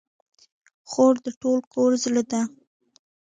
خور د ټول کور زړه ده.